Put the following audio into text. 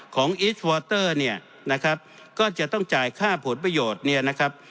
อีสวอเตอร์เนี่ยนะครับก็จะต้องจ่ายค่าผลประโยชน์เนี่ยนะครับ